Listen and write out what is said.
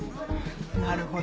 なるほど。